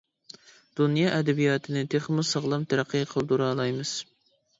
دۇنيا ئەدەبىياتىنى تېخىمۇ ساغلام تەرەققىي قىلدۇرالايمىز.